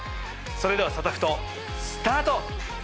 それでは『サタフト』スタート！